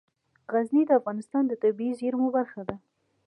غزني د افغانستان د طبیعي زیرمو برخه ده.